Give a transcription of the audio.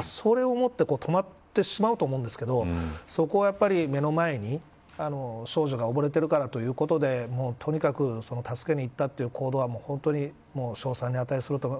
それをもっても止まってしまうと思うんですけどそこは目の前に少女が溺れているからということでとにかく助けに行ったという行為は本当に称賛に値すると。